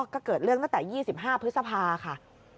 ก็เกิดเรื่องตั้งแต่๒๕พฤษภาค่ะ